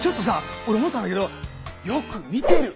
俺思ったんだけどよく見てる。